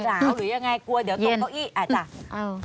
หรือยังไงกลัวเดี๋ยวตรงเก้าอี้อาจจะเอา